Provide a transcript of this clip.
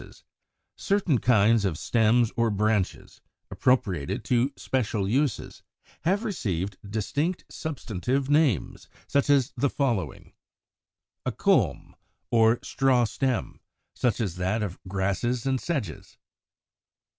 ] 91. Certain kinds of stems or branches, appropriated to special uses, have received distinct substantive names; such as the following: 92. =A Culm=, or straw stem, such as that of Grasses and Sedges.